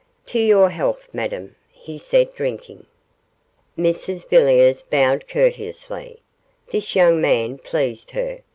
'To your health, Madame,' he said, drinking. Mrs Villiers bowed courteously. This young man pleased her.